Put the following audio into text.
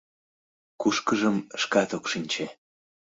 Кушкыжым шкат ок шинче.